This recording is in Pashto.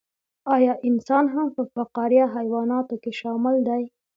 ایا انسان هم په فقاریه حیواناتو کې شامل دی